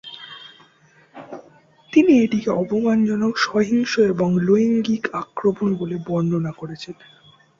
তিনি এটিকে "অপমানজনক, সহিংস এবং লৈঙ্গিক" আক্রমণ বলে বর্ণনা করেছেন।